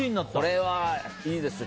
これはいいですね。